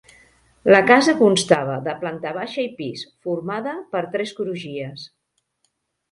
La casa constava de planta baixa i pis, formada per tres crugies.